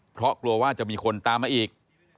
เพราะกลัวว่าจะมีคนตามมาอีก